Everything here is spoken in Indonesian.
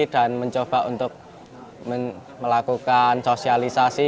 dan mencoba untuk melakukan sosialisasi